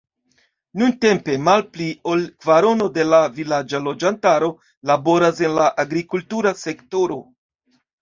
Nuntempe malpli ol kvarono de la vilaĝa loĝantaro laboras en la agrikultura sektoro.